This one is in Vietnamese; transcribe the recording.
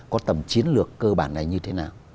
có tầm chiến lược cơ bản này như thế nào